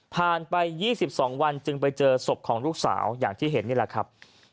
ผ่านไปยี่สิบสองวันจึงไปเจอศพของลูกสาวอย่างที่เห็นนี่แหละครับ